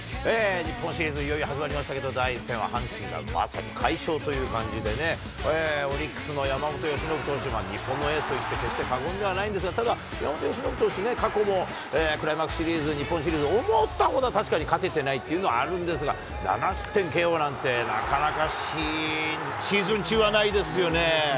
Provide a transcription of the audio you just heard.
日本シリーズ、いよいよ始まりましたけど、第１戦は阪神が快勝という感じでね、オリックスの山本由伸投手は日本のエースといって決して過言ではないんですが、山本由伸投手、過去もクライマックスシリーズ、日本シリーズ、思ったほどは確かに勝ててないっていうのはあるんですが、７失点ＫＯなんて、なかなかシーズン中はないですよね。